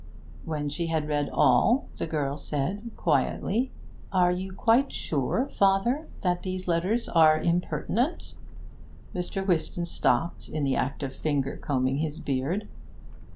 When she had read all, the girl said quietly 'Are you quite sure, father, that these letters are impertinent?' Mr. Whiston stopped in the act of finger combing his beard.